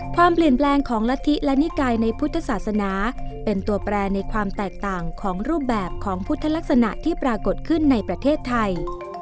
ความเปลี่ยนแปลงของละทิและนิกายในพุทธศาสนาเป็นตัวแปรในความแตกต่างของรูปแบบของพุทธลักษณะที่ปรากฏขึ้นในประเทศไทย